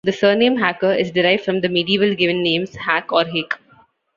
The surname Hacker is derived from the medieval given names Hack or Hake.